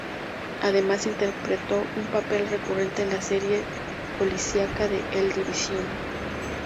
Además interpretó un papel recurrente en la serie policíaca "The Division".